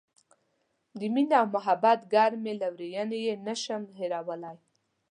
د مینې او محبت ګرمې لورینې یې نه شم هیرولای.